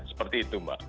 seperti itu mbak